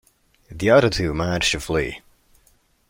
The other two managed to flee.